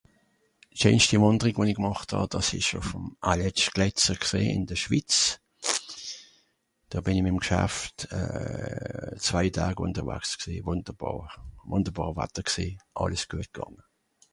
d'scheenschti wànderig won'i gemàcht hà dàss esch ùff'm Aletsch glätscher gsìn ìn de Schwitz do bìn'i mìm g'schaft euh zwai dag unterwags gsìn wùnderbàr wùnderbàr watter gsìn àlles guet gànge